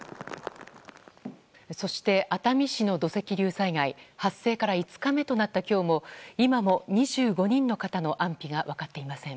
そして熱海市の土石流災害発生から５日目となった今日も今も２５人の方の安否が分かっていません。